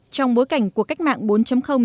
trong bối cảnh của cách mạng bốn